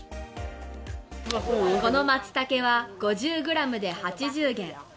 このマツタケは５０グラムで８０元。